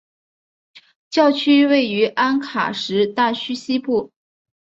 教区位于安卡什大区西部。